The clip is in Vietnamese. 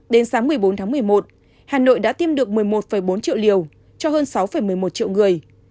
đến sáng một mươi bốn tháng một mươi một hà nội đã tiêm được một mươi một bốn triệu liều cho hơn sáu một mươi một triệu người